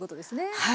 はい。